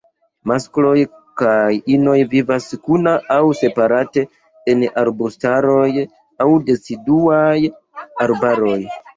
Maskloj kaj inoj vivas kuna aŭ separate en arbustaroj aŭ deciduaj arbaroj.